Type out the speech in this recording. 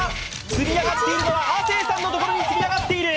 積み上がっているのは亜生さんのところに積み上がっている。